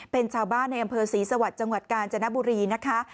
เป็นชาวบ้านในอำเภอศรีสวรรค์จังหวัดกาญจนบุรีนะคะ